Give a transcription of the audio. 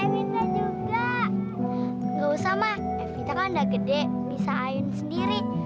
nggak usah ma mita kan udah gede bisa ayun sendiri